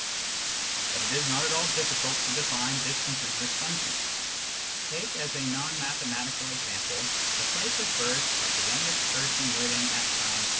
But it is not at all difficult to define discontinuous functions. Take, as a non mathematical example, " the place of birth of the youngest person living at time i."